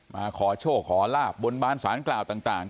มาขอโชคขอลาบบนบานสารกล่าวต่าง